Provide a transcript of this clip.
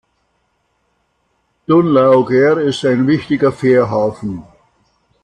Dún Laoghaire ist ein wichtiger Fährhafen.